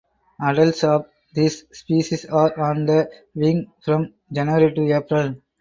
Adults of this species are on the wing from January to April.